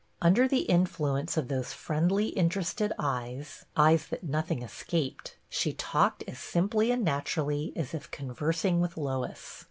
Under the influ ence of those friendly, interested eyes — eyes that nothing escaped — she talked as simply and naturally as if conversing with Lois.